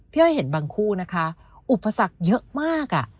อ้อยเห็นบางคู่นะคะอุปสรรคเยอะมาก